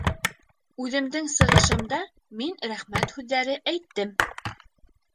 Үҙемдең сығышымда мин рәхмәт һүҙҙәре әйттем